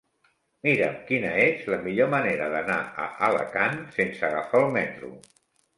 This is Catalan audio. Mira'm quina és la millor manera d'anar a Alacant sense agafar el metro.